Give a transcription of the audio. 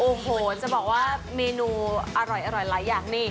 โอ้โหจะบอกว่าเมนูอร่อยหลายอย่างนี่